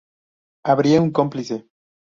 Habría un cómplice.